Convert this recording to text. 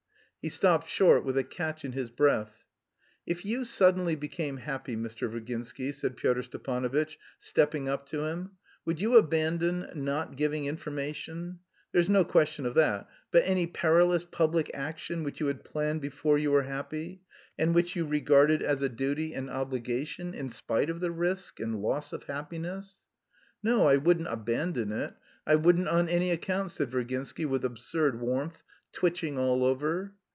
He stopped short with a catch in his breath. "If you suddenly became happy, Mr. Virginsky," said Pyotr Stepanovitch, stepping up to him, "would you abandon not giving information; there's no question of that but any perilous public action which you had planned before you were happy and which you regarded as a duty and obligation in spite of the risk and loss of happiness?" "No, I wouldn't abandon it! I wouldn't on any account!" said Virginsky with absurd warmth, twitching all over.